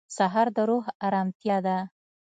سهار د روح ارامتیا ده.